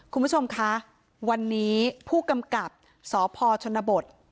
คุณผู้ชมคะวันนี้ผู้กำกับสพชนบท